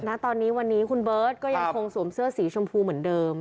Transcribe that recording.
ณตอนนี้วันนี้คุณเบิร์ตก็ยังคงสวมเสื้อสีชมพูเหมือนเดิม